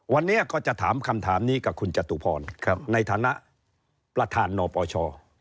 วันนี้ก็จะถามคำถามนี้กับคุณจตุพรในฐานะประธานนปช